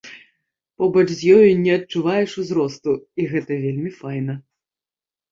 Побач з ёю не адчуваеш узросту, і гэта вельмі файна.